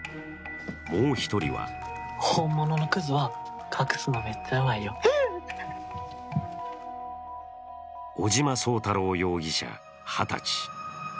もう１人は尾島壮太郎容疑者２０歳。